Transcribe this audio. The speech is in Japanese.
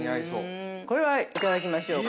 これはいただきましょうか。